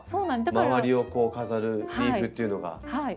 周りを飾るリーフっていうのが。